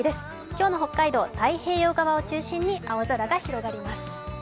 今日の北海道、太平洋側を中心に青空が広がります。